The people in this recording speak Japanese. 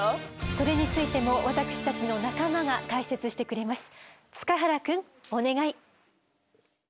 それについても私たちの仲間が解説してくれます。